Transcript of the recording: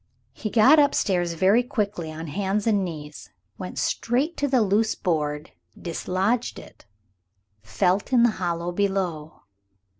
He got up stairs very quickly, on hands and knees, went straight to the loose board, dislodged it, felt in the hollow below.